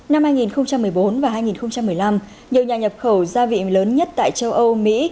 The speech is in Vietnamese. năm hai nghìn một mươi bốn và hai nghìn một mươi năm nhiều nhà nhập khẩu gia vị lớn nhất tại châu âu mỹ